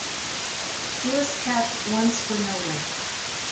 He was capped once for Norway.